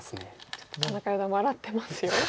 ちょっと田中四段も笑ってますよ。